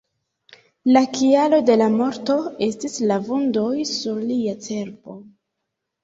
La kialo de la morto estis la vundoj sur lia cerbo.